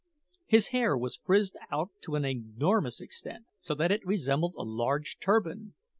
His hair was frizzed out to an enormous extent, so that it resembled a large turban.